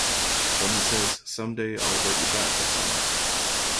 Then he says: "Someday, I'll write you back, Osama".